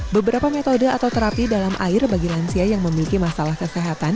beberapa metode atau terapi dalam air bagi lansia yang memiliki masalah kesehatan